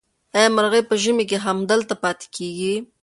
آیا مرغۍ په ژمي کې هم دلته پاتې کېږي؟